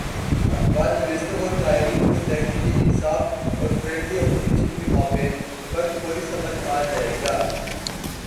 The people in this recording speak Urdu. اخبارنویسوں اور قارئین کو تحریک انصاف اور فرینڈلی اپوزیشن کے مابین فرق فوری سمجھ آ جائے گا۔